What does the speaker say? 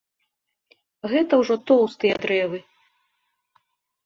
Гэта ўжо тоўстыя дрэвы.